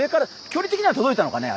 距離的には届いたのかね？